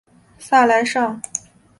萨莱尚。